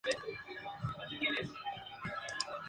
Redacción: "La Rosa de los Vientos", revista mensual.